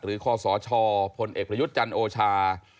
หรือคสชพเอกพระยุทธ์จันทร์โอชา